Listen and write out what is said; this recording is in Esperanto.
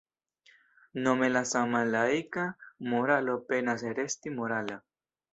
Nome la sama laika moralo penas resti morala.